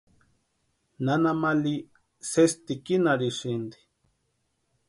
Nana Mali sesi tikinarhisïnti.